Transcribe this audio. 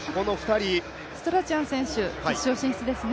ストラチャン選手、決勝進出ですね。